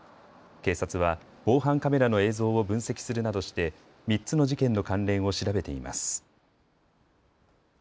警察は防犯カメラの映像を分析するなどして３つの事件の関連を調べています。